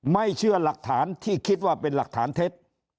ไม่เชื่อหลักฐานที่คิดว่าเป็นหลักฐานเท็จ